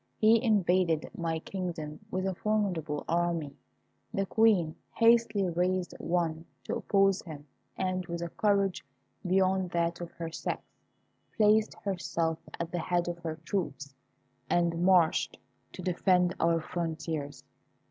He invaded my kingdom with a formidable army. The Queen hastily raised one to oppose him, and, with a courage beyond that of her sex, placed herself at the head of her troops, and marched to defend our frontiers.